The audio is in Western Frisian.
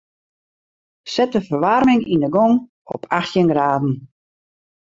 Set de ferwaarming yn 'e gong op achttjin graden.